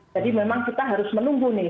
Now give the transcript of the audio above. jadi memang kita harus menunggu nih